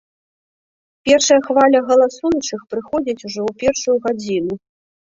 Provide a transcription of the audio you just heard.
Першая хваля галасуючых прыходзіць ужо ў першую гадзіну.